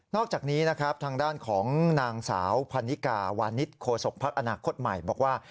อกจากนี้นะครับทางด้านของนางสาวพันนิกาวานิสโคศกภักดิ์อนาคตใหม่บอกว่า